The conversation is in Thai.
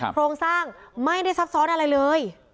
โครงสร้างไม่ได้ซับซ้อนอะไรเลย